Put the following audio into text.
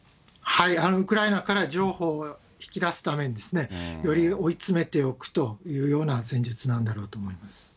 ウクライナから譲歩を引き出すためにですね、より追い詰めておくというような戦術なんだろうと思います。